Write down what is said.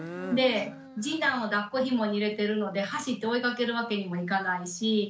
で次男をだっこひもに入れてるので走って追いかけるわけにもいかないし。